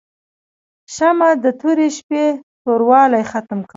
شمعه د تورې شپې توروالی ختم کړ.